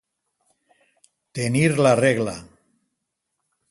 Tenir la regla.